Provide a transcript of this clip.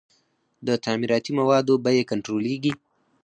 د تعمیراتي موادو بیې کنټرولیږي؟